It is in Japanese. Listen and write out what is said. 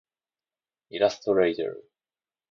イラストレーター